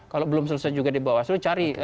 kalau belum selesai juga di bawah selu cari